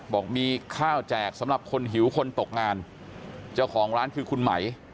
บอกมีข้าวแจกสำหรับคนหิวคนตกงานเจ้าของร้านคือคุณไหม